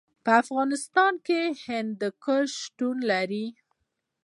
په افغانستان کې هندوکش شتون لري.